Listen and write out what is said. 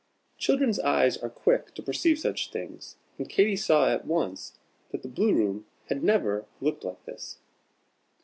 Children's eyes are quick to perceive such things, and Katy saw at once that the Blue room had never looked like this.